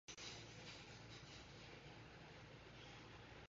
Rather than proper names, they always referred to each other as "Gramps" and "Sonny.